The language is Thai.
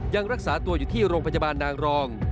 ยังรักษาตัวอยู่ที่โรงพยาบาลนางรอง